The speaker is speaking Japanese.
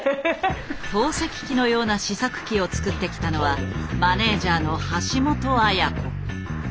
投石器のような試作機を作ってきたのはマネージャーの橋本綾子。